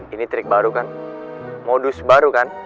ini trik baru kan modus baru kan